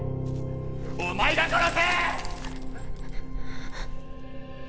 お前が殺せ！